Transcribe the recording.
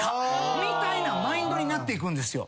みたいなマインドになっていくんですよ。